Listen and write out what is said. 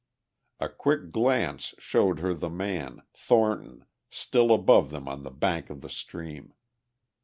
A quick glance showed her the man, Thornton, still above them on the bank of the stream.